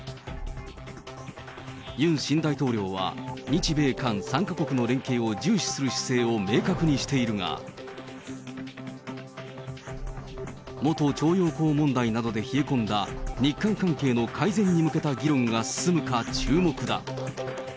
ユン新大統領は、日米韓３か国の連携を重視する姿勢を明確にしているが、元徴用工問題などで冷え込んだ日韓関係の改善に向けた議論が進むか注目だ。